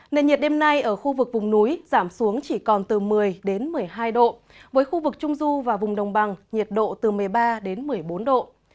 nền nhiệt đêm nay ở khu vực vùng núi giảm xuống chỉ còn từ một mươi đến một mươi hai độ với khu vực trung du và vùng đồng bằng nhiệt độ từ một mươi ba đến một mươi bốn độ